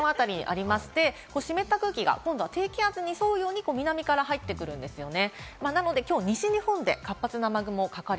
さらに、西日本、別の低気圧が沖縄辺りにあって、湿った空気が今度は低気圧に沿うように南から入ってくるんですよね。